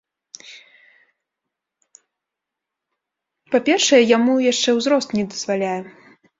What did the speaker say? Па-першае, яму яшчэ узрост не дазваляе.